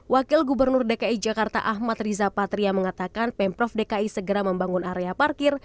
wakil gubernur dki jakarta ahmad riza patria mengatakan pemprov dki segera membangun area parkir